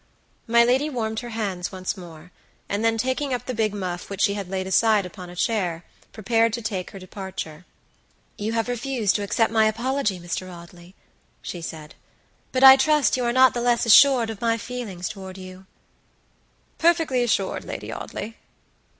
My lady warmed her hands once more, and then taking up the big muff which she had laid aside upon a chair, prepared to take her departure. "You have refused to accept my apology, Mr. Audley," she said; "but I trust you are not the less assured of my feelings toward you." "Perfectly assured, Lady Audley."